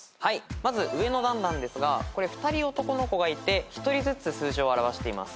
まず上の段ですが２人男の子がいて一人ずつ数字を表しています。